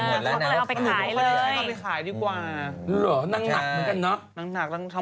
ก็เขาอยู่ก่อนออกไปขายออกไปขายดีกว่า